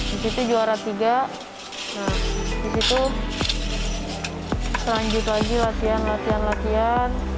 di situ juara tiga nah disitu lanjut lagi latihan latihan latihan